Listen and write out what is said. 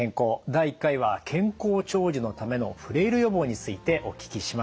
第１回は「健康長寿」のためのフレイル予防についてお聞きしました。